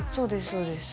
そうです